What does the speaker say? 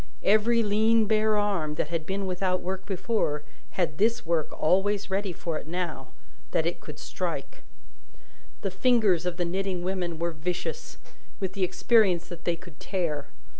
Every lean bare arm, that had been without work before, had this work always ready for it now, that it could strike. The fingers of the knitting women were vicious, with the experience that they could tear.